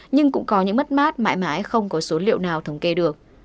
nhưng cũng có những mất mát mãi mãi không có số liệu nào thống kê được